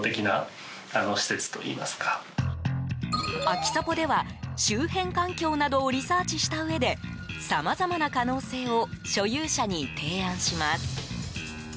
アキサポでは周辺環境などをリサーチしたうえでさまざまな可能性を所有者に提案します。